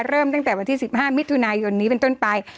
เริ่มตั้งแต่วันที่๑๕มิถุนายนนี้เป็นต้นไป